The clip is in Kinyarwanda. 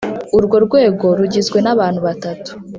Urwo rwego rugizwe n abantu batatu